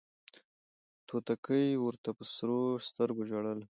توتکۍ ورته په سرو سترګو ژړله